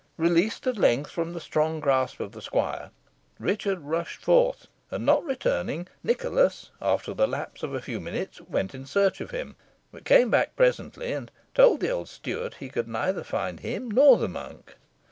Released, at length, from the strong grasp of the squire, Richard rushed forth, and not returning, Nicholas, after the lapse of a few minutes, went in search of him, but came back presently, and told the old steward he could neither find him nor the monk.